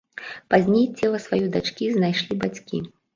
Пазней цела сваёй дачкі знайшлі бацькі.